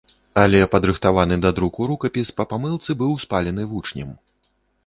Але падрыхтаваны да друку рукапіс па памылцы быў спалены вучнем.